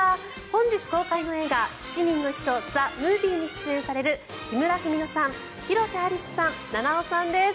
本日公開の映画「七人の秘書ＴＨＥＭＯＶＩＥ」に出演される木村文乃さん、広瀬アリスさん菜々緒さんです。